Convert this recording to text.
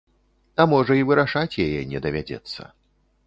А можа і вырашаць яе не давядзецца.